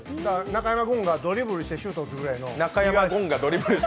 中山君がドリブルしてシュート打つぐらいの。